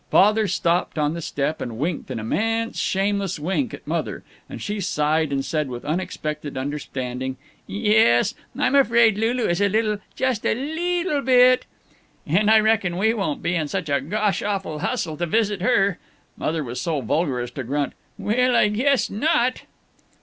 Father stopped on the step and winked an immense shameless wink at Mother, and she sighed and said, with unexpected understanding, "Yes, I'm afraid Lulu is a little just a leet le bit " "And I reckon we won't be in such a gosh awful hustle to visit her." Mother was so vulgar as to grunt, "Well, I guess not!"